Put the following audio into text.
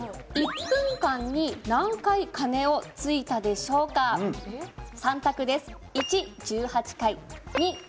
１分間に何回鐘をついたでしょうか３択です